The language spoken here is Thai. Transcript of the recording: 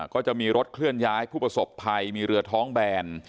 ก็จะมีรถเคลื่อนย้ายผู้ประสบภัยมีเรือท้องแบน